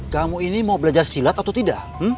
kamu ini mau belajar silat atau tidak